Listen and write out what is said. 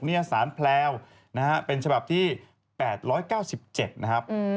เนี่ยสารแพลวเป็นฉบับที่๘๙๗นะครับ